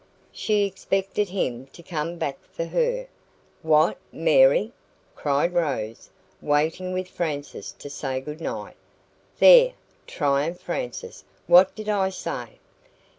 She expected him to come back for her " "What! MARY?" cried Rose, waiting with Frances to say goodnight. "There!" triumphed Frances, "what did I say?"